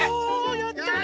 やった！